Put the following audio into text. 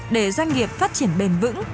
để doanh nghiệp phát triển bền vững